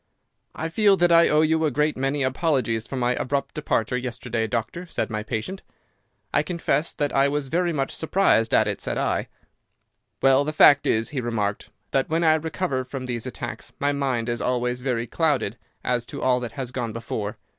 "'I feel that I owe you a great many apologies for my abrupt departure yesterday, doctor,' said my patient. "'I confess that I was very much surprised at it,' said I. "'Well, the fact is,' he remarked, 'that when I recover from these attacks my mind is always very clouded as to all that has gone before.